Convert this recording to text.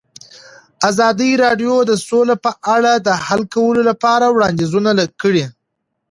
ازادي راډیو د سوله په اړه د حل کولو لپاره وړاندیزونه کړي.